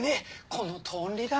このとおりだ。